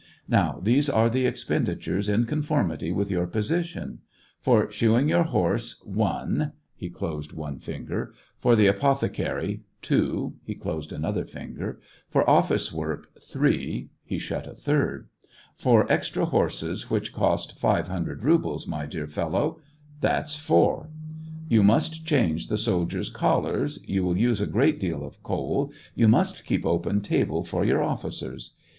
Now, these are the expenditures in conformity with your position : for shoeing your horse, — one (he closed one finger) ; for the apoth ecary, —two (he closed another finger) ; for office work, — three (he shut a third) ; for extra horses, which cost five hundred rubles, my dear fellow, — that's four ; you must change the soldiers' collars, you will use a great deal of coal, you must keep open table for your officers.